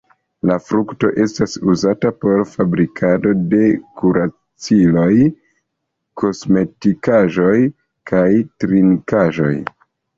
La frukto estas uzata por fabrikado de kuraciloj, kosmetikaĵoj, kaj trinkaĵoj.